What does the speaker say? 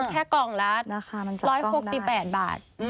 แค่กล่องละ๑๖๘บาท